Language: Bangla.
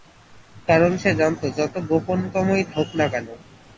কারণ সে জানত যত গোপনতমই হোক না।